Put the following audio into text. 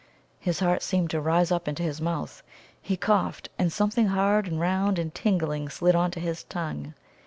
His heart seemed to rise up into his mouth. He coughed, and something hard and round and tingling slid on to his tongue.